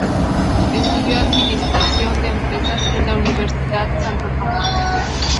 Estudió Administración de Empresas en la Universidad Santo Tomas.